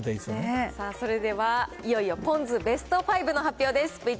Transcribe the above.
それでは、いよいよポン酢ベスト５の発表です。